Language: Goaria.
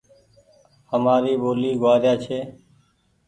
همآري ٻولي گوآريا ڇي۔